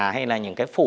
hay là những cái phủ